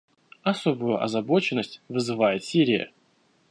Особую озабоченность вызывает Сирия.